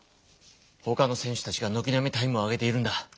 ほかの選手たちがのきなみタイムを上げているんだ。